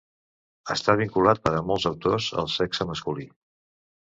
Està vinculat per a molts autors al sexe masculí.